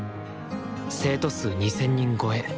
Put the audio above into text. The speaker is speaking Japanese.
生徒数２，０００人超え。